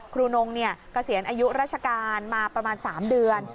นงเกษียณอายุราชการมาประมาณ๓เดือน